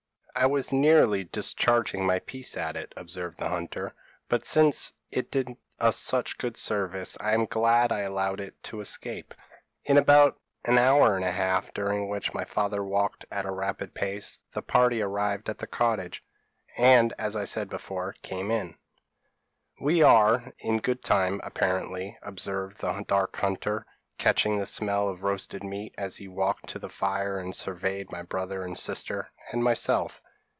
p> "'I was nearly discharging my piece at it,' observed the hunter; 'but since it did us such good service, I am glad I allowed it to escape.' "In about an hour and a half, during which my father walked at a rapid pace, the party arrived at the cottage, and, as I said before, came in. "'We are in good time, apparently,' observed the dark hunter, catching the smell of the roasted meat, as he walked to the fire and surveyed my brother and sister, and myself.